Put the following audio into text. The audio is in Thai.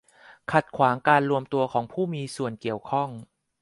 ขัดขวางการรวมตัวของผู้มีส่วนเกี่ยวข้อง